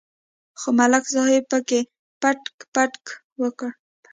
خو ملک صاحب پکې پټک پټک وکړ.